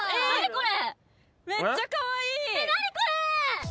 これ。